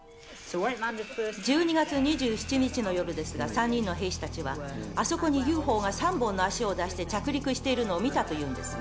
１２月２７日の夜ですが、３人の兵士たちは、あそこにＵＦＯが３本の足を出して、着陸しているのを見たというんです。